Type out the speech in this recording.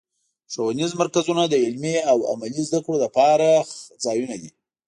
ښوونیز مرکزونه د علمي او عملي زدهکړو لپاره ځایونه دي.